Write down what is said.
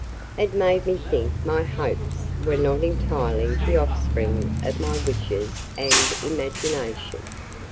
It made me think my hopes were not entirely the offspring of my wishes and imagination.